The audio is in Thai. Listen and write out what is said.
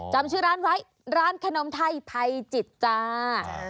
จำชื่อร้านไว้ร้านขนมไทยภัยจิตจ้า